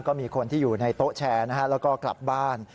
ก็มีคนที่อยู่ในโต๊ะแชร์นะฮะแล้วก็กลับบ้าน